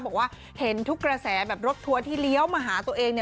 บอกว่าเห็นทุกกระแสแบบรถทัวร์ที่เลี้ยวมาหาตัวเอง